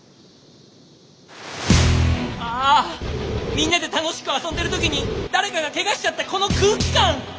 みんなで楽しく遊んでる時に誰かがケガしちゃったこの空気感！